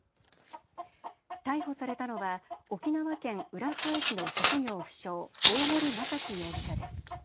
逮捕されたのは沖縄県浦添市の職業不詳、大森正樹容疑者です。